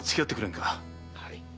はい。